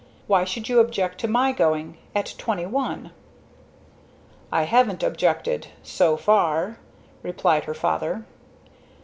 Why should you object to my going at twenty one." "I haven't objected so far," replied her father.